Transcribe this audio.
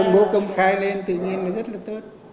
bố công khai lên tự nhiên là rất là tốt